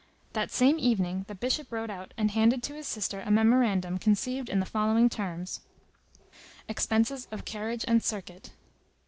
That same evening the Bishop wrote out and handed to his sister a memorandum conceived in the following terms:— EXPENSES OF CARRIAGE AND CIRCUIT.